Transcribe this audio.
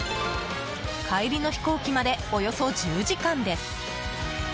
帰りの飛行機までおよそ１０時間です。